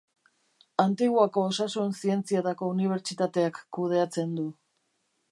Antiguako Osasun Zientzietako Unibertsitateak kudeatzen du.